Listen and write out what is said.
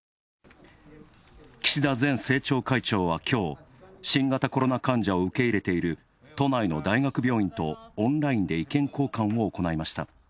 岸田前政調会長は、きょう新型コロナ患者を受け入れている都内の大学病院とオンラインで意見交換を行いました。